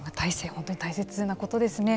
本当に大切なことですね。